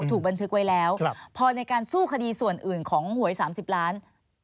ถูกบันทึกไว้แล้วพอในการสู้คดีส่วนอื่นของหวย๓๐ล้าน